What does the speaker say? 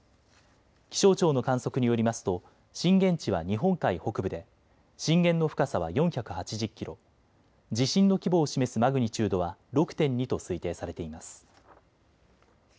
気象庁の観測によりますと震源地は日本海北部で震源の深さは４８０キロ、地震の規模を示すマグニチュードは６．２と推定されています。